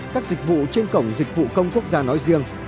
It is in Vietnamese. các dịch vụ trên cổng dịch vụ công quốc gia nói riêng